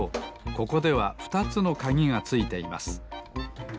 ここでは２つのかぎがついています。